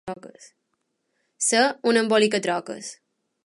Ser un embolicatroques.